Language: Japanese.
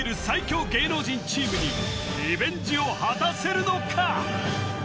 最強芸能人チームにリベンジを果たせるのか！？